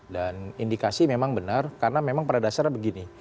dan indikasi memang benar karena memang pada dasarnya begini